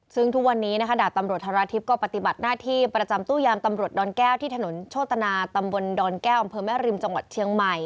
ซึ่งทุกวันนี้นะคะดาบตำรวจธราทิพย์ก็ปฏิบัติหน้าที่ประจำตู้ยามตำรวจดอนแก้วที่ถนนโชตนาตำบลดอนแก้วอำเภอแม่ริมจังหวัดเชียงใหม่